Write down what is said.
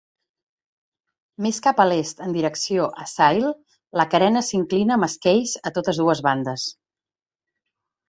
Més cap a l'est en direcció a Sail, la carena s'inclina amb esqueis a totes dues bandes.